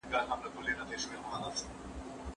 دا به د خدای او د قسمت په فیصلو جوړیږي.